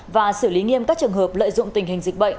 và xử lý nghiêm các trường hợp lợi dụng tình hình dịch bệnh